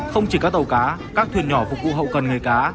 không chỉ cá tàu cá các thuyền nhỏ phục vụ hậu cần người cá